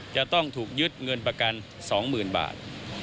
จะต้องถูกยึดเงินประกันสองหมื่นบาท